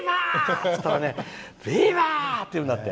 って言ったらビバ！って言うんだって。